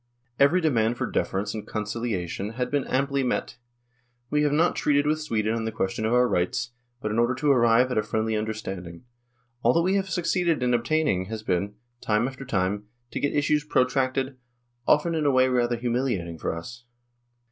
Every demand for deference and conciliation had been amply met ; we have not treated with Sweden on the question of our rights, but in order to arrive at a friendly understanding ; all that we have succeeded in obtaining has been, time after time, to get issues protracted, often in a way rather humiliating for us.